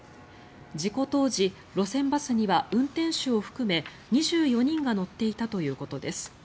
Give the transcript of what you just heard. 事故当時、路線バスには運転手を含め２４人が乗っていたということです。